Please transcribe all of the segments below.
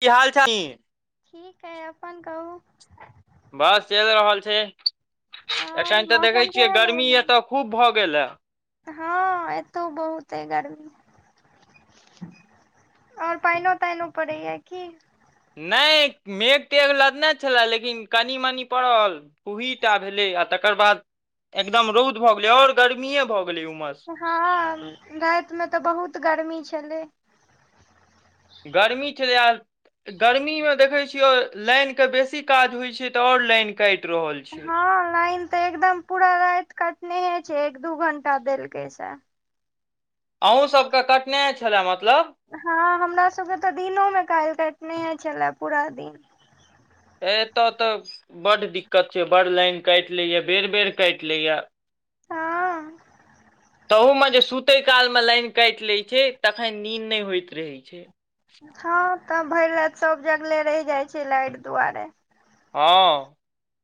की हाल चाल ठीक हइ अपन कहू। बस चेल रहल छैय आओर एखन तऽ देखै मौसम छियै केहन गर्मी एत‌खूब भऽ गेल ह। ह एतौ बहुत अइ गर्मी। आओर पैनो ताइनो पड़ैया की। नै मेघ तेघ लदने छेलए लेकिन कनि मनी पड़ल। फुहीटा भेलै आ तकर बाद एकदम रौद भऽ गेलै आओर गर्मीए भऽ गेलै उमस। हँ रैत मे तऽ बहुत गर्मी छलै। गर्मी छेलै आ गर्मी मे देखै छियै लाइनके बेसी काज होइ छैय तऽ आओर लाइन काइट रहल। छै ह लाइन तऽ एकदम पूरा रैत कटनेहे छैय एक दू घंटा देलकै सेह आहूं सबके कटनेहे छेला मतलब। ह हमरा सभके तऽ दिनोमे कैल काटने छेला पूरा दिन। ए एतय तऽ बड्ड दिक्कत छै बड़ लाइन कैट लैए बेर बेर काटि लैए। हँ तहु में जे सुते काल में लाइन कैट लै छै तखन नींद नै होइत रहे छैय। ह तऽ भैर रेत सब जगले रैह‌जाइ छैय लाइट दुआरे। हँ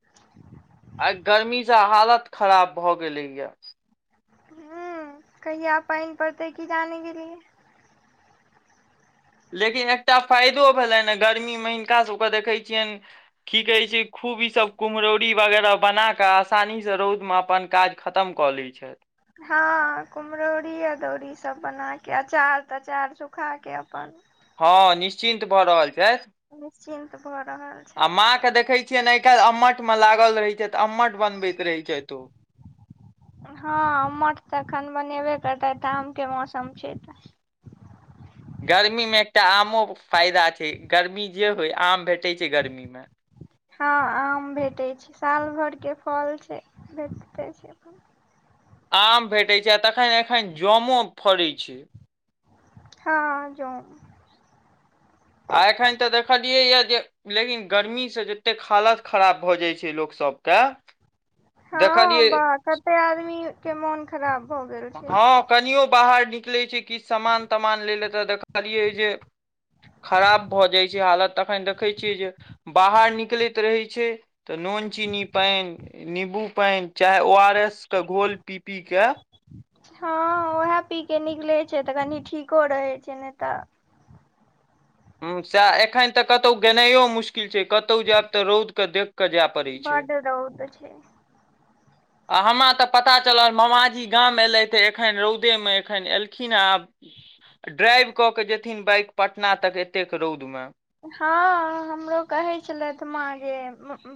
[inaudible] आइ गर्मी से हालत खराब भए गेले या। ह कहिया पैन पड़तै की जाने गेलिए लेकिन एकटा फायदो भेलैन ह गर्मीमे हिनकाभकेँ देखै छियैन की कहे छैय खूब इ सब कुम्हरौरी वगैराह बना क आसानी से रौद में अपन काज खतम कऽ लै छैथ ह कुमहरौरी अदौरी सभ बनाके अचार तचार सुखाके अपन। ह निश्चिन्त भऽ रहल छै निश्चिन्त भऽ रहल आ छथि माँ के देखै छिय ने आइ काल्हि अम्मट मे लागल रहै छैथ अम्मट बनबैत रहै छैथ ओ। ह अम्मठ तऽ एखन बनेबे कर तैथ तऽ आम के मौसम छै तऽ। गर्मीमे एकटा आमो फायदा छैय गर्मी जे होय आम भेटै छै गर्मीमे ह आम भेटै छै साल भरिक फल छैय भेटते छै अपन। आम भेटै छैय् आ तखन एखन जमो फड़ैत छै हँ जो आ एखन तऽ देखलियैए जे लेकिन गर्मीसँ जतेक हालत खराब भऽ जाइ छै लोकसभके हँ बाह कते आदमी के मोन खराब भऽ गेल छै हँ कनियो बाहर निकले छै किछु सामान तामान ले ले तऽ देखलियै जे खराब भऽ जाइ छै हालत तऽखन देखै छियै जे बाहर निकलैत रहै छै तऽ नुन- चीनी- पैन नीबू पानि चाहे ओ आर एस के घोल पीपी के। ह ओहे पी के निकलै छै तऽ कनी ठीको रहै छै नै तऽ। ह सएह एखन तऽ कतौ गेनाइयो मुश्किल छैय कतौ जायब तऽ रौद के देख कऽ जायब। बड रौद छै आ हमरा तऽ पता चलल मामाजी गाम एलै तऽ एखन रौदेमे एखन एलखिन हेँ आब ड्राइव क के जेथिन बाइक पटना तक एतेक रौदमे हँ हमरो कहैत छलथि माँगे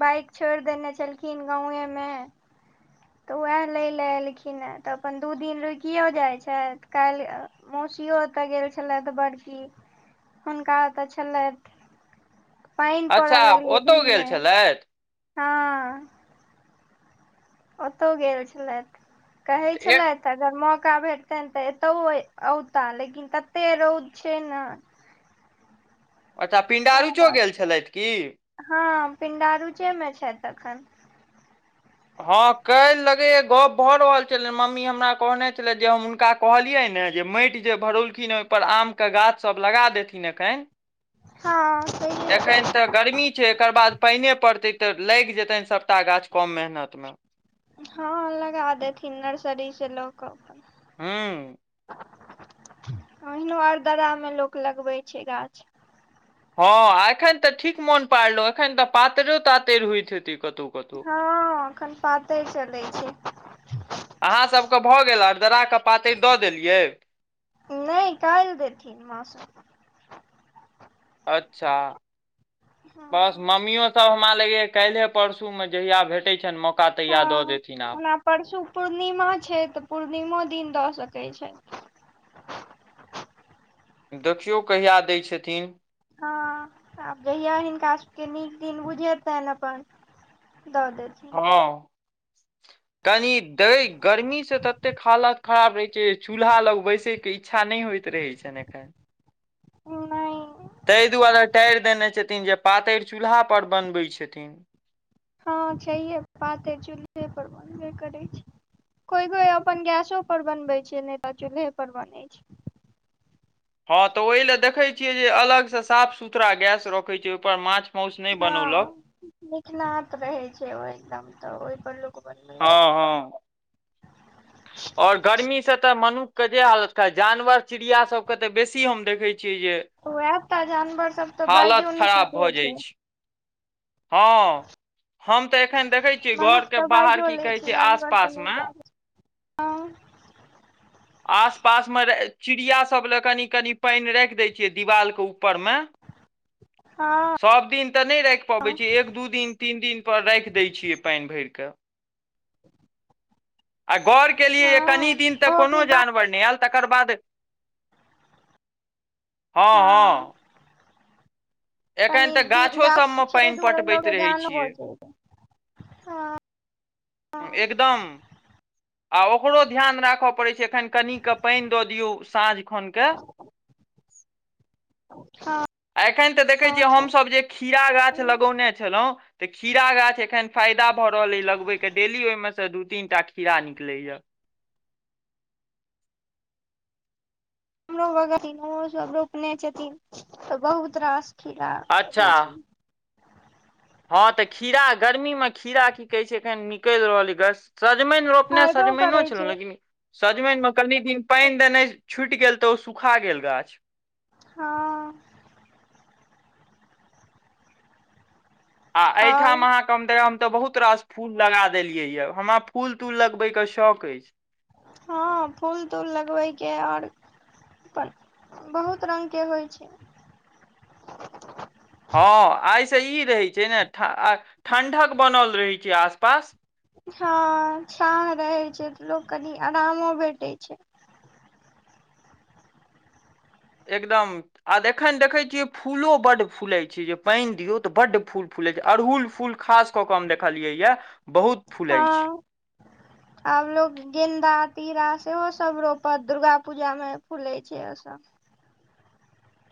बाइक छोड़ि देने छलखिन गाँवये मे तऽ उएह लै लए एलखिन हे तऽ अपन दू दिन रुकियो जाइत छथि काल्हि मौसियो ओतय गेल छलैथ बड़की हुनका ओतय छलैथ अच्छा लगलै ओतो दिन गेल मे छलैथ हँ ओतौ गेल छलैथ कहै छलैथ त अगर मौका भेटतनि त एतौ अ-औताह लेकिन तते रौद छै ने अच्छा सएह पिण्डारुचो बात गेल छलैथ की हँ पिण्डारुचे मे छथि अखन हँ काल्हि लगैये गप्प भ रहल छलनि मम्मी हमरा कहने छलै जे हम हुनका कहलियै ने जे माटि जे भरौलखिन हँ ओहिपर आमके गाछसभ लगा देथिन एखेन हँ कहियौ एखेन त गर्मी छै एकर बाद पानि पड़तै त लागि जेतैन सबटा गाछ कम मेहनत मे हँ लगा देथिन नर्सरी से ल क अपन हूँ ओहिनो अरदरा मे लोक लगबै छै गाछ हँ एखन त ठीक मोन पारलहु एखन त पातिरो तातरिरो होइत हेतै कतो हँ एखन पातैर चलै छै अहाँसभके भ गेल अरदरा के पातैर द देलियै नय काल्हि देथिन माँ सभ अच्छा बस हँ मम्मियो सब हमरा लगेया काल्हिहे परसू मे जहिया भेटैय छनि मौका तहिया द देथिन आब परसु पूर्णिमा छै त पूर्णिमो दिन द सकैय छै देखियौ कहिया दैय छथिन हँ आब जहिया हिनकासभके नीक दिन बुझेतैन अपन द दैत हँ कनी देय गर्मी से ततेक हालत खराब रहै छै चूल्हा लग बैसे के इच्छा नहि होइत रहै छनि एखन नय तै दुआरे टारि देने छथिन जे पातैर चूल्हा पर बनबै छथिन हँ छैहिये पातैर चूल्हे पर बनबे करैय छै कोई कोई अपन गैसो पर बनबै छै नहि त चूल्हे पर बनैय छै हँ त ओहि लेल देखैय छियै जे अलग से साफ सुथड़ा गैस रखैत छै ओहि पर माछ माउस नहि बनौलक लीखनात रहे छै ओ एकदम त ओय पर लोक बनबै हँ छै हँ आओर गर्मी से त मनुख के जे हालत खा जानवर चिड़िया सबके त बेसी हम देखै छियै जे वएह त जानवर सब त हालत बाइजो नय खराब सकैय भऽ जाइ छै हँ हम त एखन देखै छियै मनुख घरके त बाहर बाइजो की लै कहै छै आस जानवर पास नै मे बाजै छै आस पास मे चिड़िया सब ले कनि कनि पानि राख देय छियै दिवाल के ऊपर मे हँ सभ दिन तऽ नय राख हँ पबै छियै एक दू दिन तीन दिन पर राख दै छियै पइन भैर कऽ आ गौर केेलिये कनी हँ दिन तऽ ओहो कोनो कनि गाछ जानवर ने आयल तकर बाद ह हँ हऽ कनि तऽ दि गाछो गाछ सभमे छय तेय पानि दुआरे लोक पटबैत के रहै जान छियै बचय हूं एकदम आ ओकरो ध्यान राख पड़ै छै एखन कनिके पैइन दऽ दियौ साँझ खनके हँ आ एखन तऽ देखै छियै छै हमसभ जे खीरा गाछ हमरो लगौने छलो तऽ खीरा गाछ एखन फायदा भऽ रहल अइ लगबय के डेली ओयमे से दू तीन टा खीरा निक निकले य हमरो बथि ओ सब रोपने छथिन तऽ बहुत रास खीरा अच्छा होइ छैन हँ तऽ खीरा गर्मी मे खीरा की कहै छै एखन निकेल रहल गस सजमइन रोपने फायदो सजमइनो करै छल छै लेकिन सजमइन मे कनि दिन पानि देनाइ छुटि गेल तऽ ओ सुखा गेल गाछ हँ आ आओर एहिठाम अहाँक कम त हम तऽ बहुत रास फूल लगा देलियै या हमरा फूल तूल लगबे के शौक ऐछ हँ फूल तूल लगबेके ओर अपन बहुत रंग के होइ छै हँ आइसँ ई रहै छै ने ठ ठण्ढक बनल रहै छै आसपास हँ छाह रहै छै तऽ लोक कनि आरामो भेटै छै एकदम आ एखन देखे छियै फूलो बड फूलाे छै जे पाइन दियौ तऽ बड फूल फूलै छै अड़हुल फूल खास कऽ कऽ हम देखलियैए हँ आब लोग गेन्दा तीरा सेहो सब रोपत दुर्गा पूजा में फूलै छै ओ सब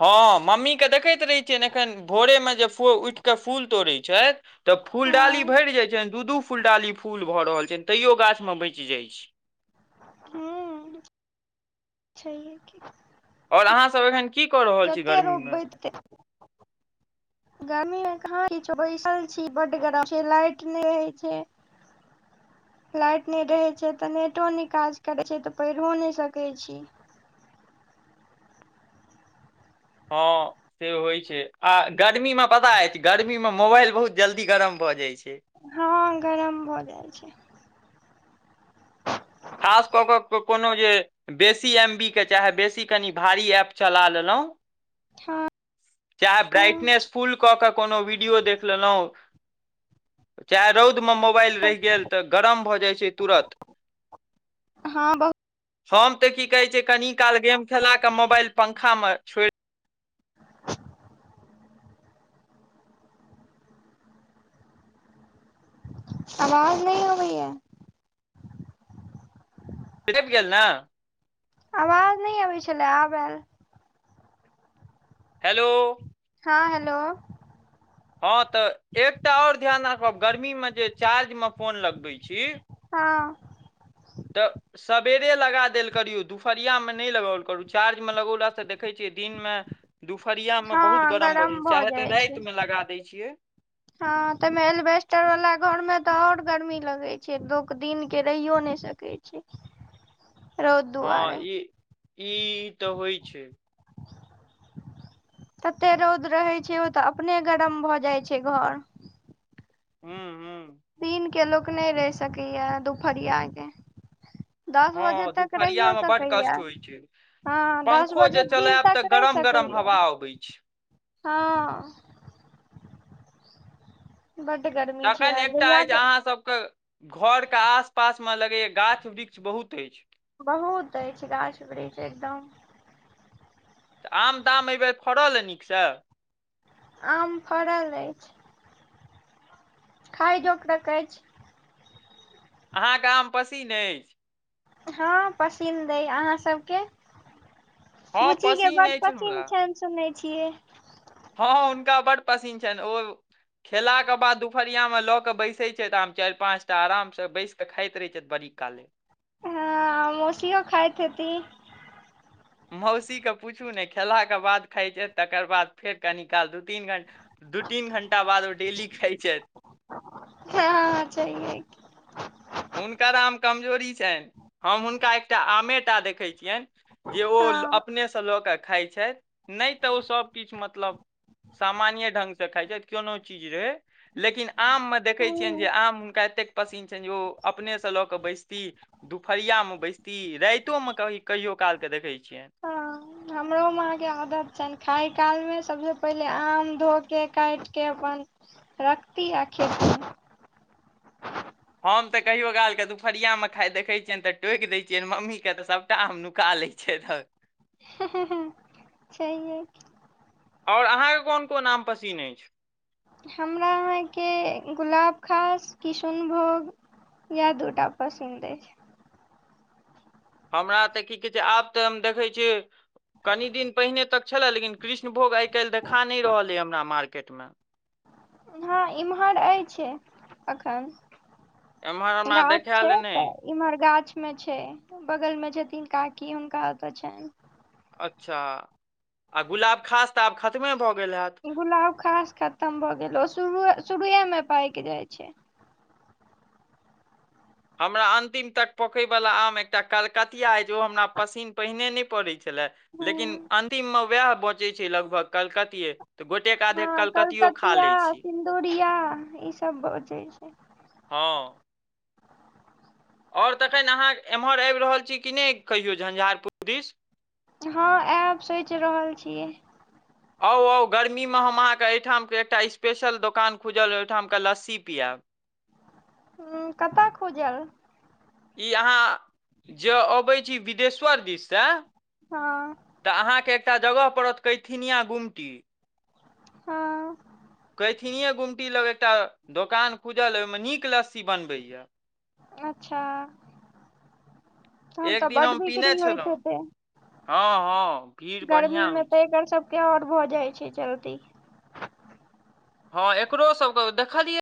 हँ मम्मीकेँ देखैत रहैत छियनि एखन भोरे में जे उठ कऽ फूल तोड़ैत छैथ तऽ फूलडाली हँ भेर जाइ छैन दू दू फूलडाली फूल भऽ रहल छैन तैयो गाछ मे बएच जाइ छै हूं छै है की और अहाँ सब एखन की कऽ रहल छी जते गर्मी मे रोपबै तते [inaudible] गर्मी में कह बैसल छी बड गरम छै लाइट नय रहै छै लाइट नय रहे छै तऽ नेटो नय काज करे छै तऽ पढ़ियो नय सकै छी हँ से होइ छै आ गर्मी में पता ऐछ गर्मीमे मोबाइल बहुत जल्दी गरम भऽ जाइ छै हँ गरम भऽ जाइ छै खास कऽ कऽ कोनो जे बेसी एम बी के चाहे बेसी कनि भारी एप चला लेलो चाहे हँ ब्राइटनेस फुल कऽ कऽ कोनो वीडियो देख लेलो चाहे रौद में मोबाइल रेह गेल तऽ गरम भऽ जाइत छै तुरन्त हँ बहुत हम तऽ की कहे छै कनि काल गेम खेला के मोबाइल पंखा में छोड़ आवाज नय अबै या [unintelligible] गेल ने आवाज नय अबै छला आब ऐल हेलो हँ हेलो हँ तऽ एकटा आओर ध्यान राखब गर्मीमे जे चार्ज मे फोन लगबै छी हँ तऽ सबेरे लगा देल करियौ दुपहरियामे नय लगाओल करू चार्जमे लगौलासँ देखै छियै दिनमे दुपहरिया मे बहुत हँ गरम भजै छै भऽ चाहे तऽ जाइ छै राति मे लगा दै छियै [inaudible] हँ तैमे एलबेस्टर वाला घर मे तऽ आओर गर्मी लगै छै लोक दिन के रहियो नय सकै छै। [inaudible] रौद हँ दुआरे ई ई तऽ होइ छै तते रौद रहै छै ओ तऽ अपने गरम भऽ जाइ छै घर हुँ हुँ दिन के लोक नय रहि सकैये दुपहरियाकेे दस हँ बजे तक रहियो दुपहरियामे बड्ड सकैये कष्ट होइ छै हँ दस पंखो जे बजे दिन चलायब तऽ तक रहि गरम गरम सकैये हवा अबै छै हँ बड्ड गरमी तखन एकटा अछि अहाँ सभके घर केँ आस पास मे लगैये गाछ वृक्ष बहुत अछि बहुत अछि गाछ वृक्ष एकदम तऽ आम ताम अयबेर फड़ल ए नीकसँ आम फड़ल अछि खाइ जोकरक अछि। अहाँके आम पसिन अछि हँ पसिन्द अय अहाँ सभके हँ बुच्ची के पसिन बड्ड अछि हमरा पसिन्द छनि सुनै छियै हँ हुनका बड्ड पसिन्न छनि ओ खेलाके बाद दुपहरियामे लऽ कऽ बैसै छैथ आम चारि पाँचटा आरामसँ बैस तऽ खाइत रहैत छथि बड़ी काले हँ आ मौसीयो खाइत हेती मौसीकेँ पूछू नय खेलाके बाद खाइ छैथ तकर बाद फेर कनि काल दू तीन घण्टा दू तीन घण्टा बाद ओ डेली खाइ छथि। हँ छहिए की हुनकर आम कमजोरी छनि हम हुनका एकटा आमेटा देखै छियनि जे ओ हँ अपनेसँ लऽ कऽ खाइ छथि। नय तऽ ओ सब किछु मतलब सामान्ये ढंग से खाइ छथि कोनो चीज रहै। लेकिन आममे देखै छियनि जे हूँ आम हुनका एतेक पसिन्न छनि जे ओ अपने से लऽ कऽ बैसती दुपहरियामे बैसती राइतोमे कह कहियो कालके देखै छियनि। हँ हमरो माँके आदत छनि खाय कालमे सभसँ पहिले आम धो के काटि के अपन रखती आ खेती हम तऽ कहियो काल के दुपहरिया मे खायत देखै छियैनि तऽ टोकि दय छियैनि मम्मी केँ तऽ सबटा आम नुका लय छैथ ओ छैहे की आओर अहाँके कोन कोन आम पसिन्न अछि। हमरा अहाँके गुलाबखास किशुनभोग याह दूटा पसंदअछि हमरा तऽ की कहै छैय आब तऽ हम देखै छियै कनि दिन पहिने तक छलए लेकिन कृष्णभोग आइ काल्हि देखा नय रहल ऐ हमरा मार्केटमे हँ इमहर अछि अखन एम्हर हमरा गाछ छै देखायल ऽ तऽ नहि इम्हर गाछ में छैय बगल में छथिन काकी हुनका ओत छैन अच्छा आऽ गुलाबखास तऽ आब खतमे भऽ गेल हैत गुलाब खास खतम भऽ गेल ओ शुरू शुरुए मे पाक जाइ छैय हमरा अंतिम तक पकैय वाला आम एकटा कलकतिया अयै जै ओ हमरा पसिन पहिने नैय पड़ैत छलै लेकिन हँ अन्तिम मे उएह बचैत छै लगभग कलकतिये तऽ गोटेक आधे हँ कलकतियो खा कलकतिया लैत छी सिन्दुरिया ई सब बचैत छैय हँ आओर तखन अहाँ एम्हर आबि रहल छी कि नय कहियौ झंझारपुर दिस हँ आएब सोचि रहल छियै आउ आउ गर्मीमे हम अहाँके एहिठामके एकटा स्पेशल दोकान खुजल अऽ ओहिठामके लस्सी पियाआब ह कतऽखुजल ई अहाँ जे अबै छी बिदेश्वर दिस स हँऽ तऽ अहाँके एकटा जगह पड़त कैथिनिया गुमटी हँऽ कथिने गुमटी लग एकटा दोकान खुजल अ ओहिं नीक लस लस्सी बनबै य अच्छा तहन तऽ एक दिन बड्ड हम पीने बिक्री छलऊ होइत हेतै हँ हँ भीड़ बढ़िआं होइ छैय तैआओर भऽ जाइ छै चलतीे हँ एकरो सबक देखलियै